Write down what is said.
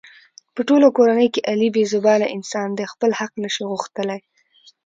په ټوله کورنۍ کې علي بې زبانه انسان دی. خپل حق نشي غوښتلی.